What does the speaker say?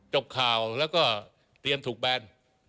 จบข่าวแล้วก็เตรียมถูกแบน